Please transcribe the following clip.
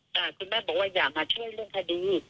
แต่คุณแม่บอกว่าอยากมาช่วยเรื่องกับสมัครตีน